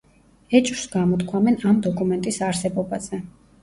ეჭვს გამოთქვამენ ამ დოკუმენტის არსებობაზე.